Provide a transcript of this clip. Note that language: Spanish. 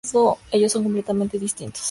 Ellos son completamente distintos.